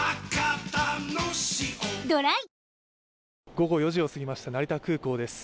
午後４時を過ぎました、成田空港です。